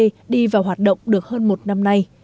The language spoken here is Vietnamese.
bà tê đi vào hoạt động được hơn một năm nay